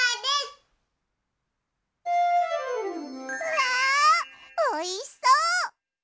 わあおいしそう！